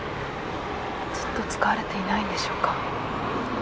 ずっと使われていないんでしょうか。